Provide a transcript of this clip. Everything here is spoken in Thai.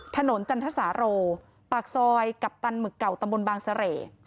จันทสาโรปากซอยกัปตันหมึกเก่าตำบลบางเสร่